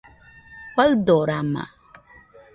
Faɨdorama